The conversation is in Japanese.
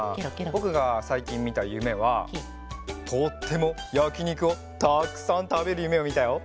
ぼくがさいきんみたゆめはとってもやきにくをたくさんたべるゆめをみたよ。